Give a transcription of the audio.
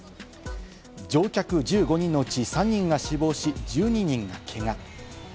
乗客１５人のうち３人が死亡し１２人がけが。